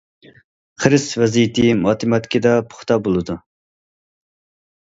خىرىس ۋەزىپىسى ماتېماتىكىدا پۇختا بولىدۇ.